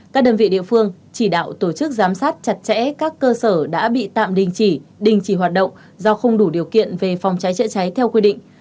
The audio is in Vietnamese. các đơn vị địa phương chỉ đạo tổ chức giám sát chặt chẽ các cơ sở đã bị tạm đình chỉ đình chỉ hoạt động do không đủ điều kiện về phòng cháy chữa cháy theo quy định